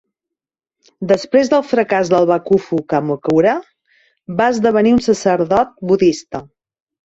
Després del fracàs del bakufu Kamakura, va esdevenir un sacerdot budista.